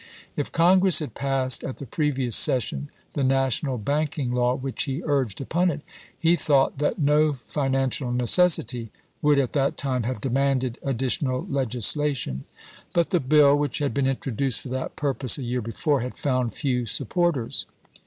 If Congress had passed at the previous session the national banking law which he urged upon it, he thought that no financial necessity would at that time have demanded additional legislation. But the bill which had been introduced for that purpose a year before had found few supporters.